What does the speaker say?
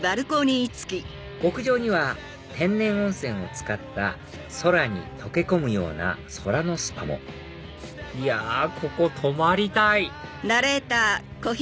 屋上には天然温泉を使った空に溶け込むようなＳＯＲＡＮＯＳＰＡもいやここ泊まりたい！